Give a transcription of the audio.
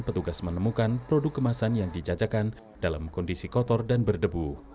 petugas menemukan produk kemasan yang dijajakan dalam kondisi kotor dan berdebu